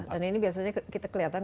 dan ini biasanya kita kelihatan